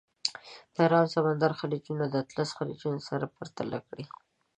د ارام سمندر خلیجونه د اطلس خلیجونه سره پرتله کړئ.